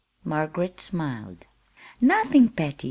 Margaret smiled. "Nothing, Patty.